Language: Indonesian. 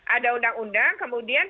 ada undang undang kemudian